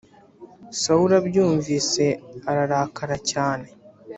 Sawuli abyumvise ararakara cyane